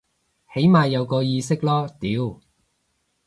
起碼有個意識囉屌